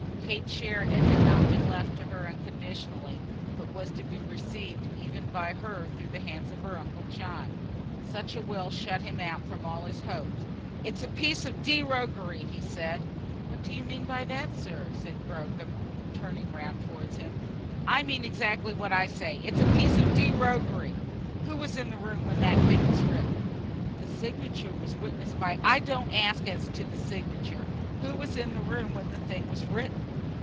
Kate's share in it had not been left to her unconditionally, but was to be received even by her through the hands of her uncle John. Such a will shut him out from all his hopes. "It is a piece of d roguery," he said. "What do you mean by that, sir?" said Gogram, turning round towards him. "I mean exactly what I say. It is a piece of d roguery. Who was in the room when that thing was written?" "The signature was witnessed by " "I don't ask as to the signature. Who was in the room when the thing was written?"